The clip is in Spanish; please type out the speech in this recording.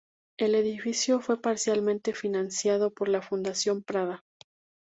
El edificio fue parcialmente financiado por la Fundación Prada.